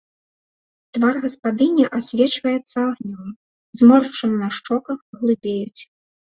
Твар гаспадыні асвечваецца агнём, зморшчыны на шчоках глыбеюць.